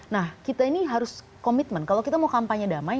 nah kita ini harus komitmen kalau kita mau kampanye damai